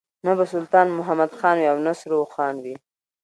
نه به سلطان محمد خان وي او نه سره اوښان وي.